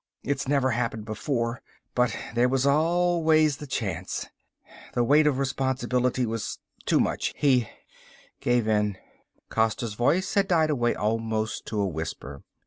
It's never happened before ... but there was always the chance ... the weight of responsibility was too much ... he gave in " Costa's voice had died away almost to a whisper.